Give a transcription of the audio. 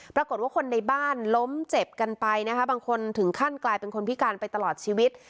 ปรากฏว่าคนในบ้านล้มเจ็บกันไปนะคะบางคนถึงขั้นกลายเป็นคนพิการไปตลอดชีวิต